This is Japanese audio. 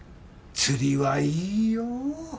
釣りはいいよ。